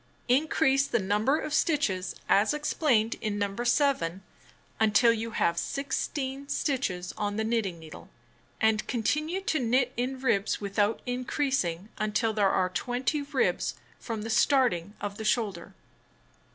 Increase the number of stitches as explained in No. 7 until you have 16 stitches on the knitting needle, and continue to knit in ribs without increasing until there arc 20 ribs from the starting of the shoulder.